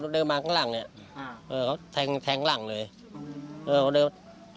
เดินมาข้างหลังเนี้ยอ่าเขาแทงแทงหลังเลยอืม